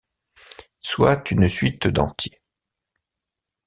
Soit une suite d'entiers.